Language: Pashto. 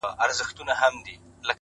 وخت د ارمانونو ریښتینولي څرګندوي,